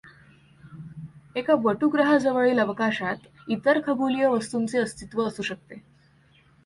एका बटुग्रहाजवळील अवकाशात इतर खगोलीय वस्तूंचे अस्तित्व असू शकते.